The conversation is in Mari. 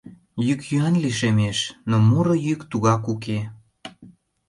Йӱк-йӱан лишемеш, но муро йӱк тугак уке.